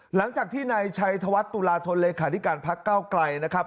หลังจากที่นายชัยธวัฒน์ตุลาธนเลขาธิการพักเก้าไกลนะครับ